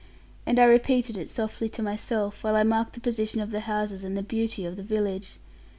And I repeated it softly to myself, while I marked the position of the houses and the beauty of the village.